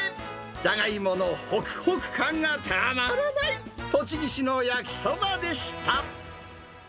じゃがいものほくほく感がたまらない、栃木市の焼きそばでした。